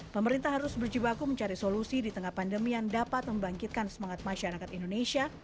pemerintah harus berjibaku mencari solusi di tengah pandemi yang dapat membangkitkan semangat masyarakat indonesia